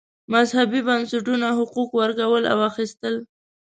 مذهبي بنسټونو حقوق ورکول او اخیستل.